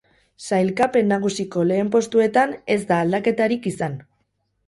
Sailkapen nagusiko lehen postuetan ez da alfdaketarik izan.